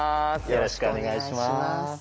よろしくお願いします。